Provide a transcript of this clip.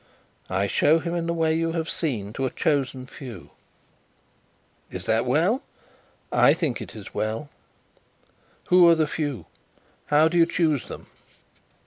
"I show him, in the way you have seen, to a chosen few." "Is that well?" "I think it is well." "Who are the few? How do you choose them?"